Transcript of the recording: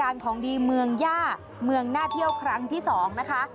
ของดีเมืองย่าเมืองน่าเที่ยวครั้งที่สองนะคะ